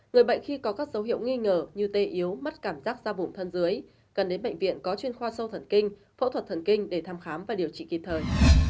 người bệnh khi có các dấu hiệu nghi ngờ như tê yếu mất cảm giác da bụng thân dưới cần đến bệnh viện có chuyên khoa sâu thần kinh phẫu thuật thần kinh để thăm khám và điều trị kịp thời